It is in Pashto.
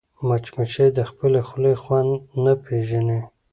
مچمچۍ د خپلې خولې خوند نه پېژني